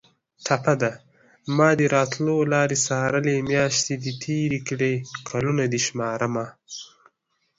ټپه ده: مادې راتلو لارې څارلې میاشتې دې تېرې کړې کلونه دې شمارمه